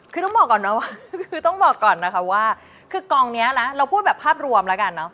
คือต้องบอกก่อนนะคะว่าคือกองนี้นะเราพูดแบบภาพรวมแล้วกันเนอะ